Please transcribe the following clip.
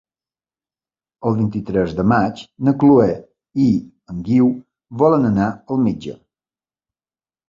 El vint-i-tres de maig na Chloé i en Guiu volen anar al metge.